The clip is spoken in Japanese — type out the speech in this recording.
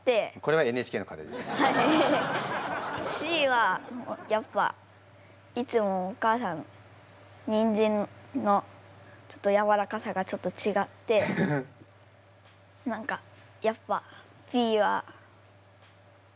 Ｃはやっぱいつもお母さんにんじんのちょっとやわらかさがちょっとちがって何かやっぱＢは愛情がある。